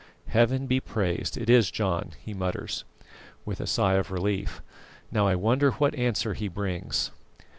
"Heaven be praised! It is John," he mutters, with a sigh of relief. "Now, I wonder what answer he brings?"